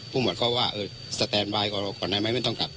ผู้หมวดก็ว่าสแตนไบด์ก่อนหน้าไม่ต้องกลับ